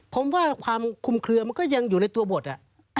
ผมว่าความคุมเคลือมันก็ยังอยู่ในตัวบทอะ